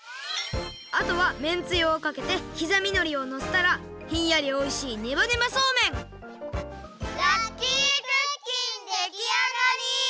あとはめんつゆをかけてきざみのりをのせたらひんやりおいしいラッキークッキンできあがり！